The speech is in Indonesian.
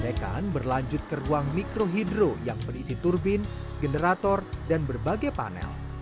sekan berlanjut ke ruang mikrohidro yang berisi turbin generator dan berbagai panel